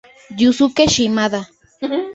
Yusuke Shimada